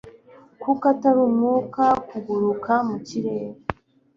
kuko atari umwuka kuguruka mu kirere